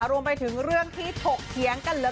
รวมไปถึงเรื่องที่ถกเถียงกันเลย